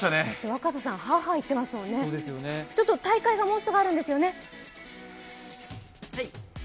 若狭さん、ハアハアいってますもんね、大会がもうすぐあるんですよね。